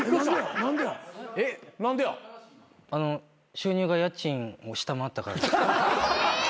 収入が家賃を下回ったから。